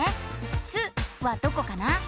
「す」はどこかな？